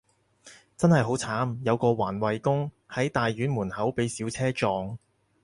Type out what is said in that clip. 真係好慘，有個環衛工，喺大院門口被小車撞